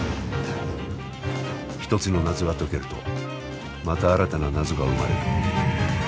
一つの謎が解けるとまた新たな謎が生まれる。